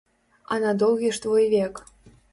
А на доўгі ж твой век!